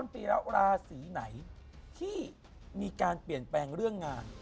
ทีไหนที่มีการเปลี่ยนแปลงเรื่องงาน